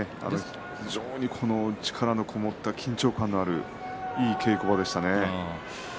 非常に力のこもった緊張感のあるいい稽古場でしたね。